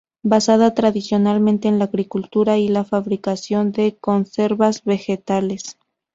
Basada tradicionalmente en la agricultura y en la fabricación de conservas vegetales.